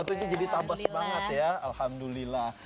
tentunya jadi tambah semangat ya alhamdulillah